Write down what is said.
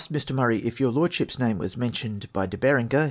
427 I asked Mr. Murray if your Lordship's name was men tioned by De Berenger